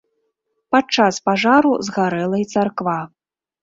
Падчас пажару згарэла і царква.